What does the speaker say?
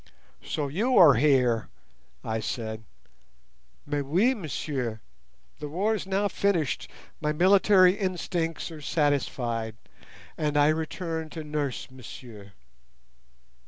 "So you are here?" I said. "Mais oui, Monsieur; the war is now finished, my military instincts are satisfied, and I return to nurse Monsieur."